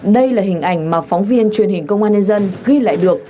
đây là hình ảnh mà phóng viên truyền hình công an nhân dân ghi lại được